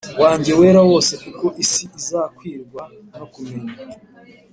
Wanjye Wera Wose Kuko Isi Izakwirwa No Kumenya